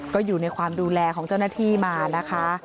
ก็อยู่ในความดูแลของเจ้าหน้าที่มานะคะ